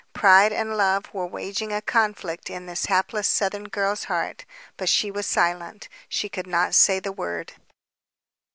Pride and love were waging a conflict in this hapless southern girl's heart. But she was silent. She could not say the word.